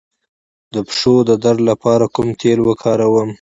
د پښو د درد لپاره کوم تېل وکاروم؟